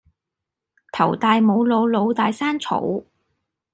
頭大冇腦，腦大生草